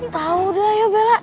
tau dah ya bella